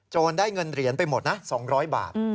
ได้เงินเหรียญไปหมดนะ๒๐๐บาท